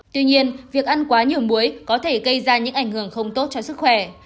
tuy nhiên việc ăn quá nhiều muối có thể gây ra những ảnh hưởng không tốt cho sức khỏe